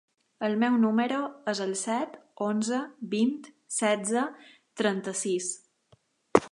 El meu número es el set, onze, vint, setze, trenta-sis.